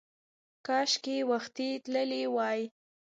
کاشکې وختي تللی وای!